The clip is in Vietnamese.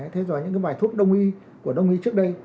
thế rồi những bài thuốc đồng nghi của đồng nghi trước đây